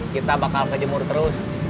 kita bakal kejemur terus